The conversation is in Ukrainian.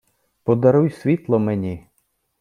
Подаруй світло мені...